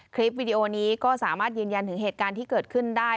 วิดีโอนี้ก็สามารถยืนยันถึงเหตุการณ์ที่เกิดขึ้นได้